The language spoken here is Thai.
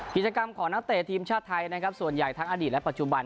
กิจกรรมของนักเตะทีมชาติไทยนะครับส่วนใหญ่ทั้งอดีตและปัจจุบัน